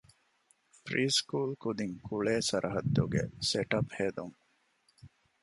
ޕްރީސްކޫލް ކުދިން ކުޅޭ ސަރަޙައްދުގެ ސެޓަޕް ހެދުން